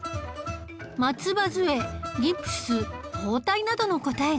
松葉杖ギプス包帯などの答えが